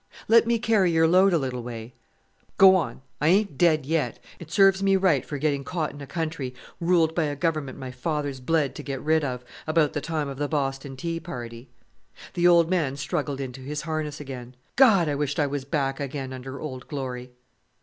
"Let me carry your load a little way." "Go on! I ain't dead yet! It serves me right for getting caught in a country ruled by a Government my fathers bled to get rid of, about the time of the Boston tea party." The old man struggled into his harness again. "God! I wished I was back again under Old Glory."